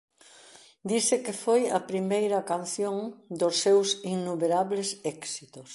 Dise que foi a primeira canción dos seus innumerables éxitos.